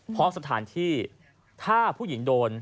เพราะสถานที่ถ้าผู้หญิงโดน